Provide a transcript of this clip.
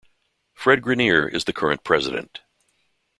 Fred Greiner is the current President.